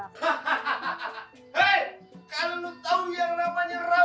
hahaha hei kalau lo tau yang namanya rawa lo pasti tau kami semangat